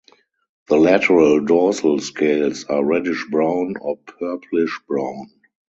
The lateral dorsal scales are reddish brown or purplish brown.